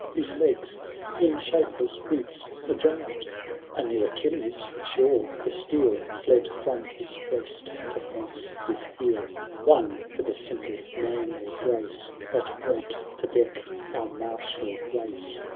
Whose legs in shapeless boots are drowned ; A new Achilles, soie^— the steel Fled fh>m his breast to fence his heel ; One, for the simple manlj grace That wont to deck our martial race.